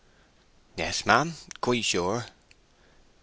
"Yes, ma'am, quite sure."